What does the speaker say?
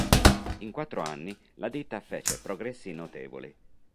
In quattro anni la ditta fece progressi notevoli.